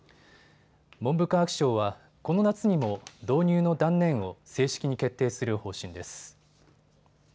文部科学省はこの夏にも導入の断念を正式に決定する方針です。